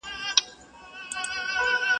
دنيا خپله لري، روی پر عالم لري.